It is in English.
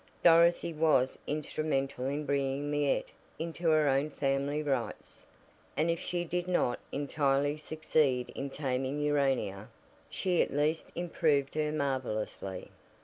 Dorothy was instrumental in bringing Miette into her own family rights, and if she did not entirely succeed in "taming" Urania, she at least improved her marvelously.